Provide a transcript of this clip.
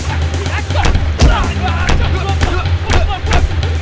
ayo atau kamu akan camek